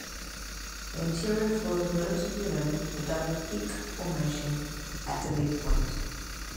The interior floor is relatively level, with a double-peak formation at the midpoint.